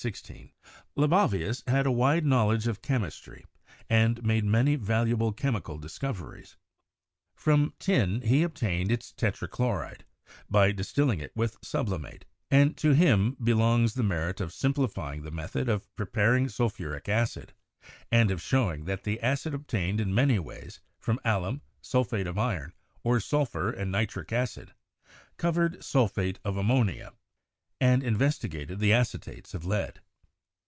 Libavius had a wide knowledge of chemistry and made many valuable chemi cal discoveries. From tin he obtained its tetrachloride, by distilling it with sublimate; and to him belongs the merit of simplifying the method of preparing sulphuric acid, and of showing that the acid obtained in many ways — from alum, sulphate of iron, or sulphur and nitric acid — was the same substance (oil of vitriol). He also dis covered sulphate of ammonia, and investigated the ace tates of lead.